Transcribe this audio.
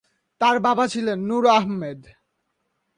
তার বাবা ছিলেন নূর আহমেদ।